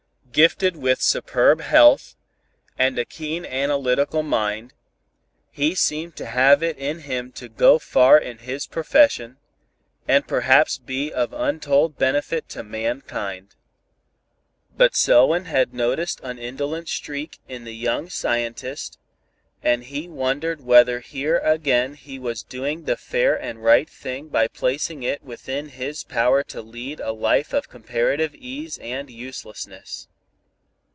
Gifted with superb health, and a keen analytical mind, he seemed to have it in him to go far in his profession, and perhaps be of untold benefit to mankind. But Selwyn had noticed an indolent streak in the young scientist, and he wondered whether here again he was doing the fair and right thing by placing it within his power to lead a life of comparative ease and uselessness.